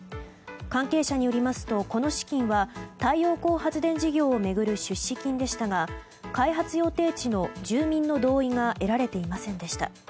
関係者によりますと、この資金は太陽光発電事業を巡る出資金でしたが開発予定地の住民の同意が得られていませんでした。